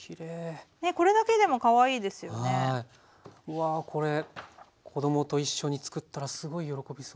わあこれ子供と一緒につくったらすごい喜びそう。